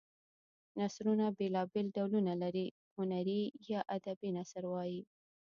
نثرونه بېلا بېل ډولونه لري هنري یا ادبي نثر وايي.